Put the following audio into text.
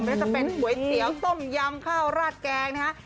ก็จะเป็นสวยเสียวส้มยำข้าวราดแกงค่ะ